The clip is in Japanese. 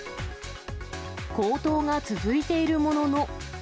高騰が続いているものの。